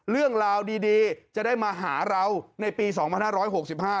เรื่องราวดีดีจะได้มาหาเราในปีสองพันห้าร้อยหกสิบห้า